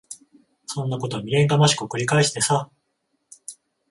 そんなこと未練がましく繰り返してさ。